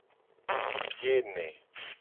Biye ne.